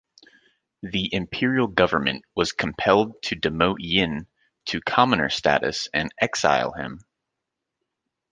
The imperial government was compelled to demote Yin to commoner status and exile him.